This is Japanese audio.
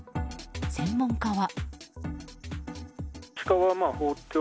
専門家は。